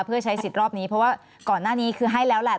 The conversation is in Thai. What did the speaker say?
เพื่อใช้สิทธิ์รอบนี้เพราะว่าก่อนหน้านี้คือให้แล้วแหละ